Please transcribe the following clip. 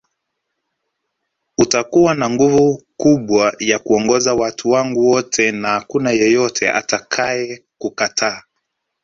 Utakuwa na nguvu kubwa ya kuongoza watu wangu wote na hakuna yeyote atakaye kukataa